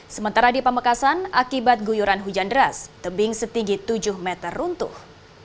sementara di pamekasan akibat guyuran hujan deras tebing setinggi tujuh meter runtuh